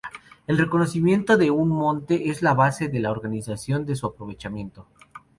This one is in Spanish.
El reconocimiento de un monte es la base de la organización de su aprovechamiento.